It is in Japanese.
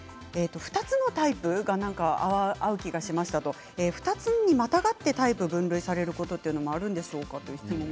２つのタイプが合う気がしましたと２つにまたがってタイプが分類されることもあるんでしょうか。